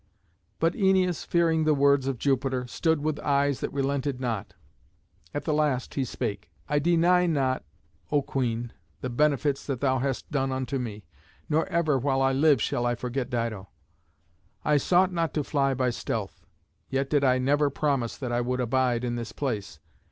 But Æneas, fearing the words of Jupiter, stood with eyes that relented not. At the last he spake: "I deny not, O Queen, the benefits that thou hast done unto me, nor ever, while I live, shall I forget Dido. I sought not to fly by stealth; yet did I never promise that I would abide in this place.